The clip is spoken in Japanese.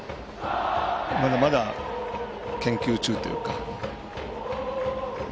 まだまだ、研究中というか。